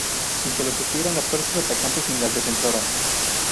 Sin que lo supieran las fuerzas atacantes ni las defensoras.